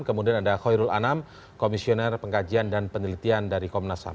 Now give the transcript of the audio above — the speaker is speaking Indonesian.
kemudian ada khairul anam komisioner pengkajian dan penelitian dari komnas ham